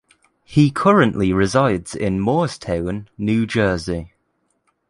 He currently resides in Moorestown, New Jersey.